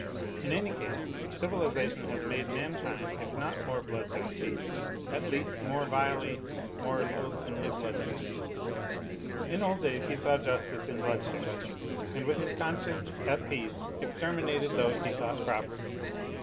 In any case civilization has made mankind if not more bloodthirsty, at least more vilely, more loath somely bloodthirsty. In old days he saw justice in blood shed and with his conscience at peace exterminated those he thought proper.